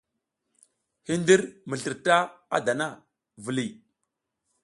Hindir mi slirta a dana, viliy.